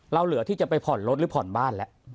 เหลือที่จะไปผ่อนรถหรือผ่อนบ้านแล้ว